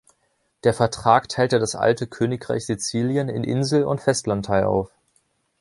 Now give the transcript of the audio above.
Der Vertrag teilte das alte Königreich Sizilien in Insel- und Festlandteil auf.